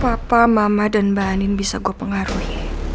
papa mama dan mba anin bisa gua pengaruhi